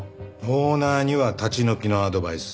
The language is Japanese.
オーナーには立ち退きのアドバイス